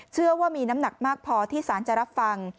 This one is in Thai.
เชื่อว่ามีน้ำหนักมากพอที่สารจะรับฟัง